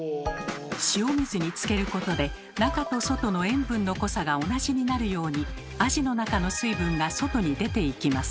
塩水につけることで中と外の塩分の濃さが同じになるようにアジの中の水分が外に出ていきます。